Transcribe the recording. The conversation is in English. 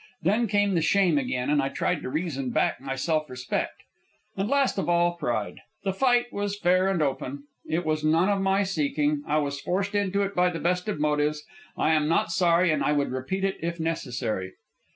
Then came the shame again, and I tried to reason back my self respect. And last of all, pride. The fight was fair and open. It was none of my seeking. I was forced into it by the best of motives. I am not sorry, and I would repeat it if necessary."